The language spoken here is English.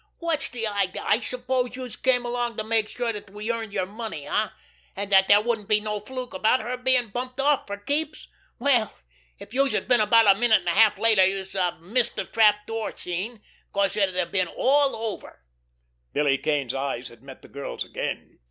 "Wot's de idea? I suppose youse came along to make sure dat we earned yer money, eh, an' dat dere wouldn't be no fluke about her bein' bumped off fer keeps? Well, if youse had been about a minute an' a half later youse'd have missed de trap door scene, 'cause it'd have been all over." Billy Kane's eyes had met the girl's again.